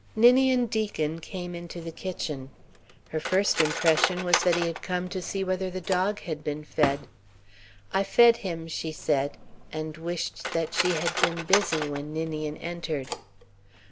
Ninian Deacon came into the kitchen. Her first impression was that he had come to see whether the dog had been fed. "I fed him," she said, and wished that she had been busy when Ninian entered.